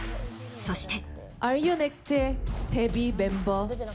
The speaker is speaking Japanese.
そして。